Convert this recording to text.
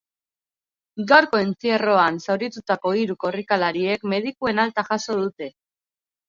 Gaurko entzierroan zauritutako hiru korrikalariek medikuen alta jaso dute.